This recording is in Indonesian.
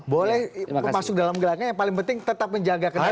boleh masuk dalam gelangnya yang paling penting tetap menjaga kesehatan